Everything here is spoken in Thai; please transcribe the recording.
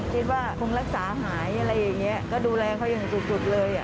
คิดว่าคงรักษาหายอะไรอย่างนี้ก็ดูแลเขาอย่างสุดเลย